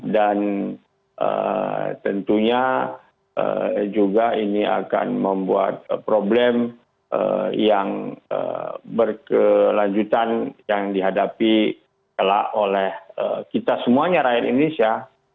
dan tentunya juga ini akan membuat problem yang berkelanjutan yang dihadapi telah oleh kita semuanya rakyat indonesia